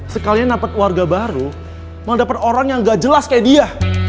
sekalian dapat warga baru mau dapat orang yang gak jelas kayak dia